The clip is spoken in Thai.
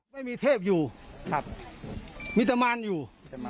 ไม่มีเทพอยู่มีแต่มารอยู่